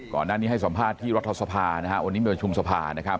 ก่อนหน้านี้ให้สอบภาษณ์ที่รัฐสภาวันนี้เป็นประชุมสภา